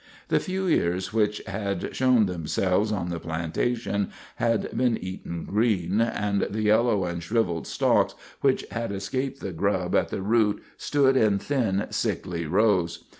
The few ears which had shown themselves on the plantation had been eaten green, and the yellow and shriveled stalks which had escaped the grub at the root stood in thin, sickly rows.